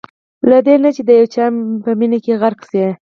له دې نه چې د یو چا په مینه کې غرق شئ.